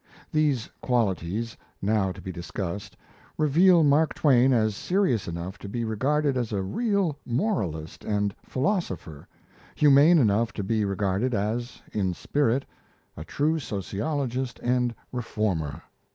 These qualities, now to be discussed, reveal Mark Twain as serious enough to be regarded as a real moralist and philosopher, humane enough to be regarded as, in spirit, a true sociologist and reformer.